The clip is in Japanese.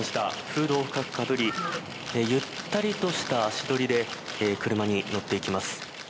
フードを深くかぶりゆったりとした足取りで車に乗っていきます。